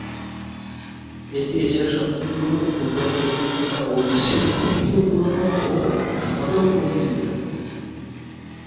এটি এশিয়ার সবচেয়ে পুরোনো ফুটবল প্রতিযোগিতা ও বিশ্বের তৃতীয় পুরোনো ও সচল প্রতিযোগিতা।